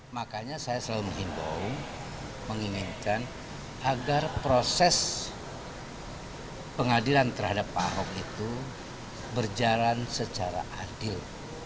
makanya saya selalu menghimbau menginginkan agar proses pengadilan terhadap pak ahok itu berjalan secara adil